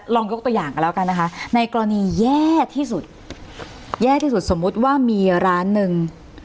ยกตัวอย่างกันแล้วกันนะคะในกรณีแย่ที่สุดแย่ที่สุดสมมุติว่ามีร้านหนึ่ง